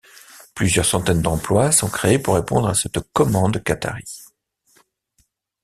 Plusieurs centaines d’emplois sont créées pour répondre à cette commande qatarie.